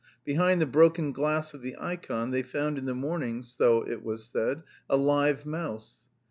Behind the broken glass of the ikon they found in the morning, so it was said, a live mouse.